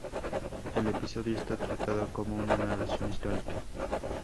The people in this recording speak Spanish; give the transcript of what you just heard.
El episodio está tratado como una narración histórica.